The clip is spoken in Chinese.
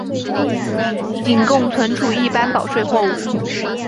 仅供存储一般保税货物。